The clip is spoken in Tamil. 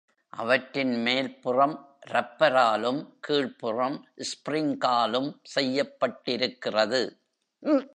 அவற்றின் மேல்புறம் ரப்பராலும், கீழ்புறம் ஸ்பிரிங்காலும் செய்யப்பட்டிருக்கிறது.